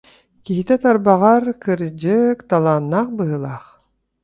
Киһитэ тарбаҕар, кырдьык, талааннаах быһыылаах.